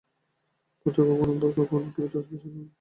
পথে কখনো বোরকা কখনো টুপি, তসবিহ ইত্যাদি সুবিধামতো পেলে কিনে ফেরেন।